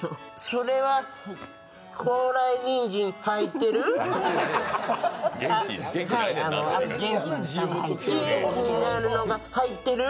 それは高麗にんじん入ってる？